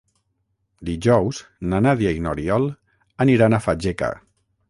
Dijous na Nàdia i n'Oriol aniran a Fageca.